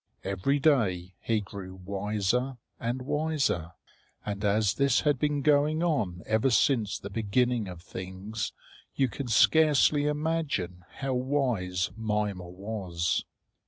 Every day he grew wiser and wiser; and as this had been going on ever since the beginning of things, you can scarcely imagine how wise Mimer was.